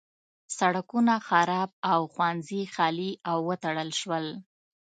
سړکونه خراب او ښوونځي خالي او وتړل شول.